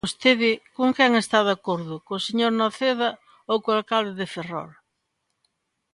Vostede ¿con quen está de acordo, co señor Noceda ou co alcalde de Ferrol?